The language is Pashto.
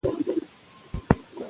د ښځې هر ډول زبېښاک موجود دى.